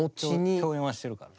共演はしてるからね。